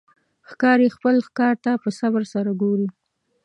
ښکاري خپل ښکار ته په صبر سره ګوري.